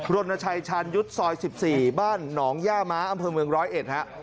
รนชัยชันยุทธซอย๑๔บ้านหนองย่าม้าอำเภอเมือง๑๐๑ฮะ